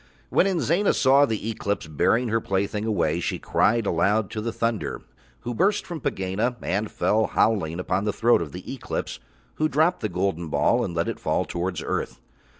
When Inzana saw the Eclipse bearing her plaything away she cried aloud to the thunder, who burst from Pegāna and fell howling upon the throat of the Eclipse, who dropped the golden ball and let it fall towards earth.